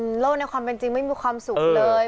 โลกในความเป็นจริงไม่มีความสุขเลย